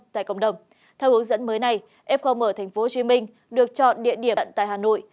tại cộng đồng theo hướng dẫn mới này fom ở tp hcm được chọn địa điểm tại hà nội